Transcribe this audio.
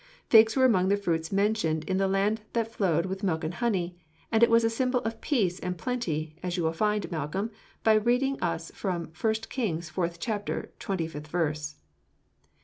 Figs were among the fruits mentioned in the 'land that flowed with milk and honey,' and it was a symbol of peace and plenty, as you will find, Malcolm, by reading to us from First Kings, fourth chapter, twenty fifth verse."